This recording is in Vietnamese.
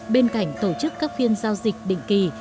bên cạnh tổ chức các phiên giao dịch định kỳ